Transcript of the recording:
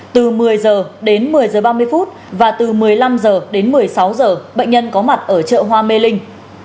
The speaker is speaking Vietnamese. từ một mươi h đến một mươi h ba mươi và từ một mươi năm h đến một mươi sáu h bệnh nhân có mặt ở chợ hoa mê linh